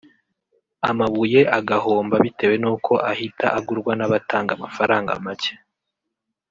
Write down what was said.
amabuye agahomba bitewe n’uko ahita agurwa n’abatanga amafaranga make